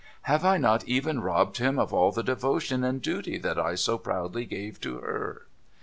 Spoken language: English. Have I not even robbed him of all the devotion and duty that I so proudly gave to her